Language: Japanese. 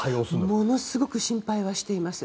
ものすごく心配しています。